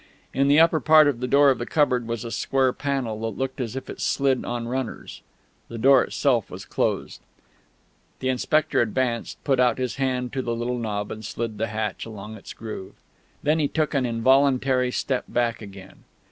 In the upper part of the door of the cupboard was a square panel that looked as if it slid on runners. The door itself was closed. The inspector advanced, put out his hand to the little knob, and slid the hatch along its groove. Then he took an involuntary step back again.